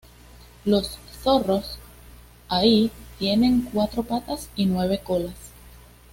Los zorros ahí tienen cuatro patas y nueve colas.